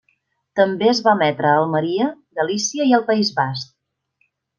També es va emetre a Almeria, Galícia i al País Basc.